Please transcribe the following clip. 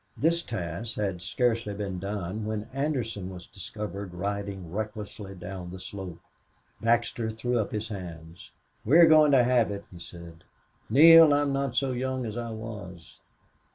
This task had scarcely been done when Anderson was discovered riding recklessly down the slope. Baxter threw up his hands. "We're going to have it," he said. "Neale, I'm not so young as I was."